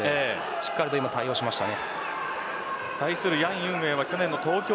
しっかりと対応しました。